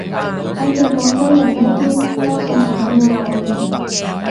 反正廣州人呢邊多數係噉樣講嘅